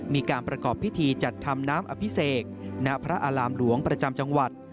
มีการประกอบพิธีจัดทำน้ำอภิเษกณพระอารามหลวงประจำจังหวัด